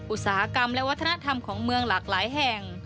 อุตสาหกรรมและวัฒนธรรมของเมืองหลากหลายแห่ง